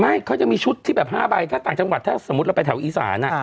เขาจะมีชุดที่แบบ๕ใบถ้าต่างจังหวัดถ้าสมมุติเราไปแถวอีสาน